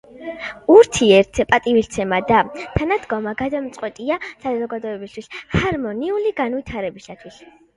ურთიერთპატივისცემა და თანადგომა გადამწყვეტია საზოგადოების ჰარმონიული განვითარებისთვის.